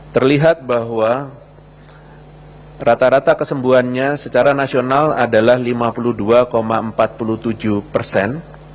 terlihat bahwa rata rata kesembuhannya secara nasional adalah lima puluh dua empat puluh tujuh persen